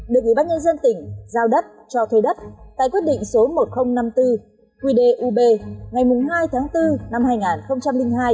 được ủy ban nhân dân tỉnh giao đất cho thuê đất tại quyết định số một nghìn năm mươi bốn quỳ đề ub ngày hai tháng bốn năm hai nghìn hai